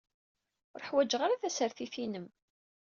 Ur ḥwaǧeɣ ara tasertit-inem.